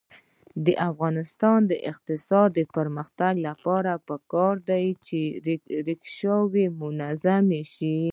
د افغانستان د اقتصادي پرمختګ لپاره پکار ده چې ریکشاوې منظمې شي.